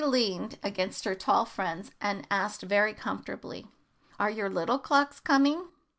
] Caddy leaned against her tall friend, and asked, very comfortably, "Are your little clocks coming?"